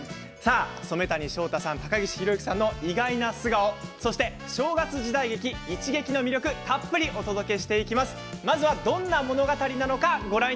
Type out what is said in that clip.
染谷将太さん、高岸宏行さんの意外な素顔正月時代劇「いちげき」の魅力をたっぷりお届けします。